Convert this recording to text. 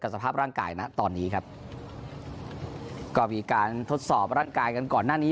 สภาพร่างกายนะตอนนี้ครับก็มีการทดสอบร่างกายกันก่อนหน้านี้